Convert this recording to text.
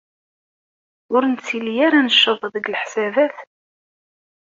Ur nettili ara necceḍ deg leḥsabat?